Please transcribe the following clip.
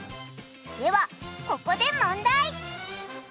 ではここで問題。